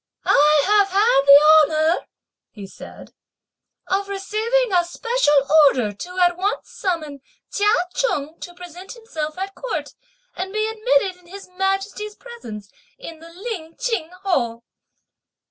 "I have had the honour," he said, "of receiving a special order to at once summon Chia Cheng to present himself at Court and be admitted in His Majesty's presence in the Lin Ching Hall."